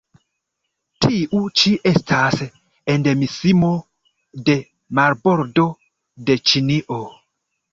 Tiu ĉi estas endemismo de marbordo de Ĉinio.